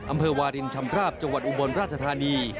อำเภอวาลินชำราบจังหวัดอุบลราชธานี